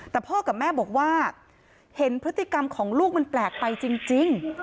แต่พ่อกับแม่บอกว่าเห็นพฤติกรรมของลูกมันแปลกไปจริง